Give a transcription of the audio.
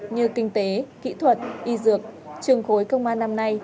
như kinh tế kỹ thuật y dược trường khối công an năm nay